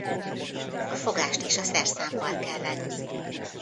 A fogást is a szerszámmal kell venni.